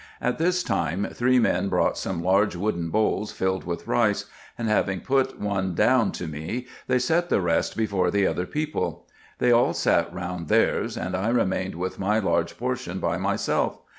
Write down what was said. At this time three men brought some large wooden bowls filled with rice, and having put one down to me, they set the rest before the other people. They all sat round theirs, and I remained with my large portion by myself.